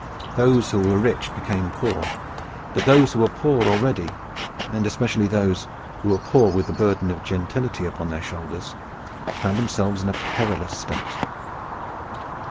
Those who were rich became poor; but those who were poor already, and especially those who were poor with the burden of gentility upon their shoulders, found themselves in a perilous state.